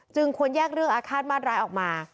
จึงควรแยกเลือกอะฆาตมาร้ายออกมา